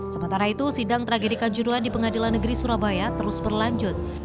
sementara itu sidang tragedi kanjuruan di pengadilan negeri surabaya terus berlanjut